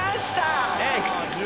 Ｘ！